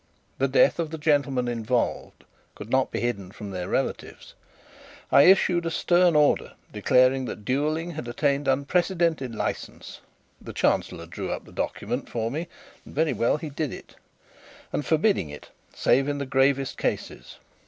The death of the gentlemen involved could not be hidden from their relatives. I issued a stern order, declaring that duelling had attained unprecedented licence (the Chancellor drew up the document for me, and very well he did it), and forbidding it save in the gravest cases.